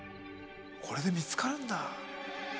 これで見つかるんだ。